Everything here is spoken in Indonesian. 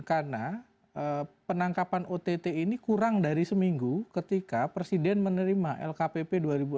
karena penangkapan ott ini kurang dari seminggu ketika presiden menerima lkpp dua ribu enam belas